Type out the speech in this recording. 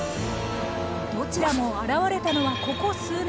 どちらも現れたのはここ数年。